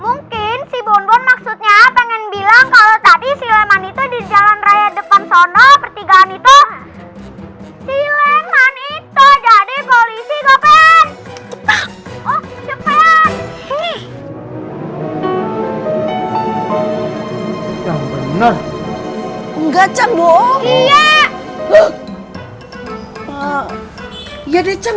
mungkin si bonbon maksudnya pengen bilang kalau tadi sileman itu di jalan raya depan